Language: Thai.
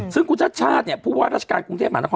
ซึ่งคุณชาติชาติพูดว่ารัชการกรุงเทพหมานะครับ